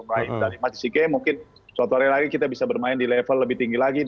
dari mas di game mungkin suatu hari lagi kita bisa bermain di level lebih tinggi lagi di asia